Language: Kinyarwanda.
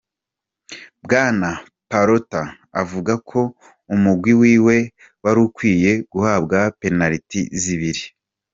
Bwana Pallotta avuga ko umugwi wiwe warukwiye guhabwa penaliti zibiri.